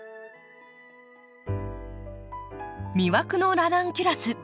魅惑のラナンキュラス。